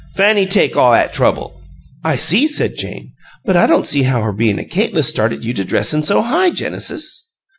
Fanny take all 'at trouble." "I see," said Jane. "But I don't see how her bein' a kaytliss started you to dressin' so high, Genesis."